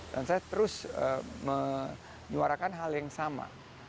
dan saya terus menyuarakan hal yang sama